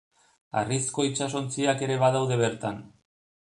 Harrizko itsasontziak ere badaude bertan.